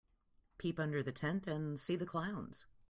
Peep under the tent and see the clowns.